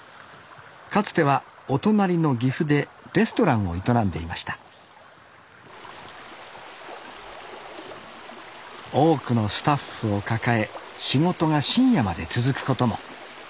かつてはお隣の岐阜でレストランを営んでいました多くのスタッフを抱え仕事が深夜まで続くことも。